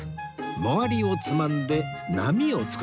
周りをつまんで波を作っていきます